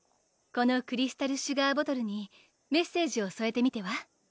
このクリスタルシュガーボトルにメッセージをそえてみては？